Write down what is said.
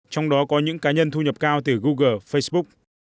trong đó có những cá nhân thu nhập cao từ google facebook